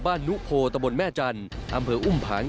นุโพตะบนแม่จันทร์อำเภออุ้มผาง